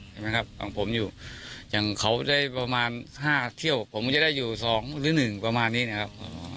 ใช่ไหมครับของผมอยู่อย่างเขาได้ประมาณ๕เที่ยวผมก็จะได้อยู่๒หรือ๑ประมาณนี้นะครับ